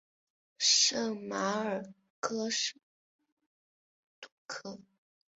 圣马尔克杜科。